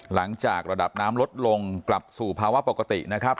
หลังจากระดับน้ำลดลงกลับสู่ภาวะปกตินะครับ